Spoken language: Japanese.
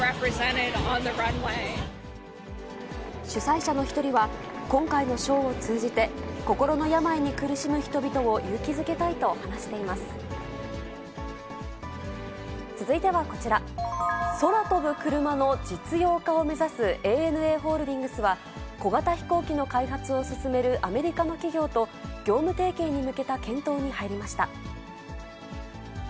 主催者の一人は、今回のショーを通じて、心の病に苦しむ人々を勇気づけたいと話し続いてはこちら、空飛ぶクルマの実用化を目指すＡＮＡホールディングスは、小型飛行機の開発を進めるアメリカの企業と、業務提携に向けた検討に入りました。